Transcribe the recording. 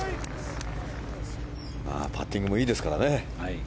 パッティングもいいですからね。